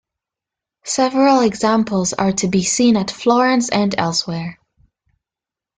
Several examples are to be seen at Florence and elsewhere.